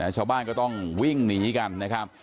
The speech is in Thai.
ชาวบ้านก็ต้องวิ่งหนีกันนะครับ